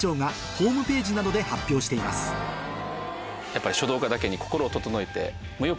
やっぱり。